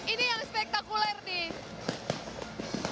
ini yang spektakuler nih